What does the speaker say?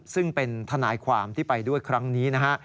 ซึ่งเป็นทนายความที่ไปด้วยครั้งนี้นะฮะ